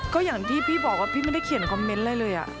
ก็อย่างที่พี่บอกว่าพี่ไม่ได้เขียนคอมเมนต์อะไรเลย